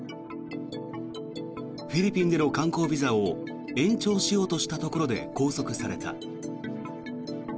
フィリピンでの観光ビザを延長しようとしたところで拘束された。